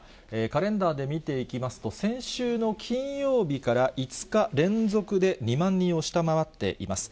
カレンダーで見ていきますと、先週の金曜日から５日連続で２万人を下回っています。